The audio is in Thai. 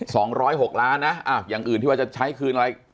สองร้อยหกล้านนะอ้าวอย่างอื่นที่ว่าจะใช้คืนอะไร